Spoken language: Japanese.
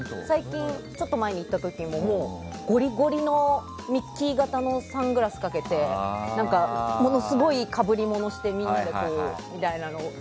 ちょっと前に行った時ももうゴリゴリのミッキー形のサングラスかけてものすごいかぶりものをしてみんなでこうみたいなのを。